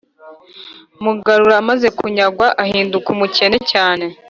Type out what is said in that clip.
mugarura amaze kunyagwa ahinduka umukene cyane,